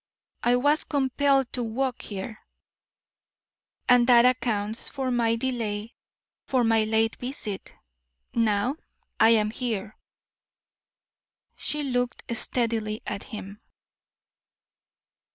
I was compelled to walk here, and that accounts for my delay, for my late visit. Now I am here." She looked steadily at him.